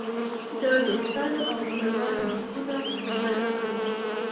د دوستانو او خپلوانو حقونه ادا کړئ.